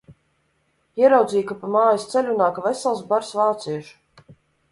Ieraudzīju, ka pa mājas ceļu nāk vesels bars vāciešu.